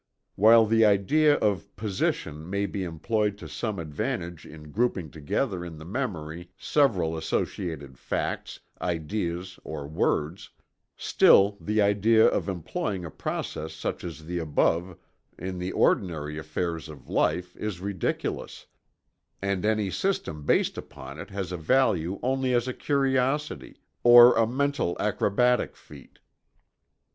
While the idea of "position" may be employed to some advantage in grouping together in the memory several associated facts, ideas, or words, still the idea of employing a process such as the above in the ordinary affairs of life is ridiculous, and any system based upon it has a value only as a curiosity, or a mental acrobatic feat.